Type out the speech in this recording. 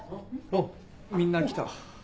おっみんな来た。